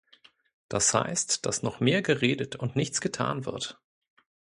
Das heißt, dass noch mehr geredet und nichts getan wird.